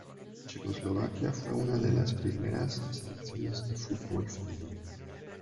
Checoslovaquia fue una de las primeras selecciones de fútbol femenino.